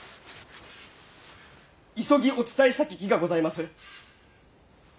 急ぎお伝えしたき儀がございます！